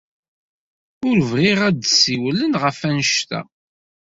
Ur bɣin ad d-ssiwlen ɣef wanect-a.